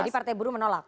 jadi partai buruh menolak